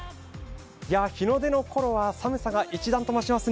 日の出のころは寒さが一段と増しますね。